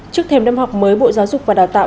trước thêm năm học mới bộ giáo dục và đào tạo